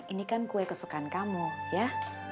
ini kan kue kesukaan kamu ya